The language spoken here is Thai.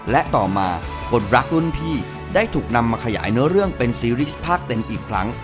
และต่อมาคนรักรุ่นพี่ได้ถูกนำมาขยายเนื้อเรื่องเป็นซีริสต์ภาคเต็มอีกครั้ง